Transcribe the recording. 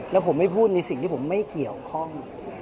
แล้วผมไม่พูดในสิ่งที่ผมไม่เกี่ยวข้อง